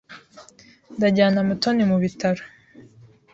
Ndajyana Mutoni mu bitaro.